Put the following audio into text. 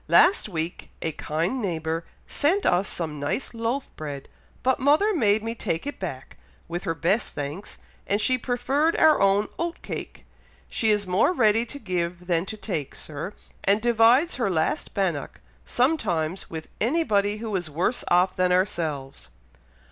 Last week a kind neighbour sent us some nice loaf bread, but mother made me take it back, with her best thanks, and she preferred our own oat cake. She is more ready to give than to take, Sir, and divides her last bannock, sometimes, with anybody who is worse off than ourselves."